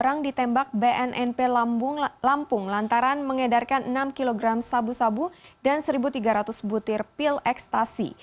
orang ditembak bnnp lampung lantaran mengedarkan enam kg sabu sabu dan satu tiga ratus butir pil ekstasi